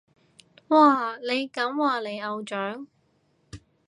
哇，你咁話你偶像？